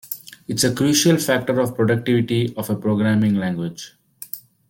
It's a crucial factor of productivity of a programming language.